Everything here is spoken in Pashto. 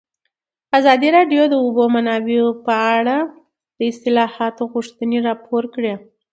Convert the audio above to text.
ازادي راډیو د د اوبو منابع په اړه د اصلاحاتو غوښتنې راپور کړې.